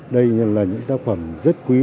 đây là những tác phẩm rất quý